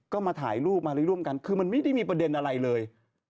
ก็มาถ่ายรูปมาร่วมกันคือมันไม่ได้มีประเด็นอะไรเลย